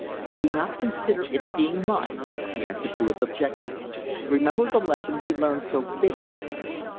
"Do not consider its being mine," she answered to his objections. "Remember the lesson we learned so bitterly.